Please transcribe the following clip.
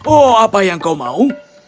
oh apa yang kau mau